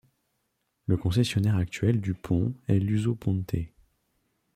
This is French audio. Le concessionnaire actuel du pont est Lusoponte.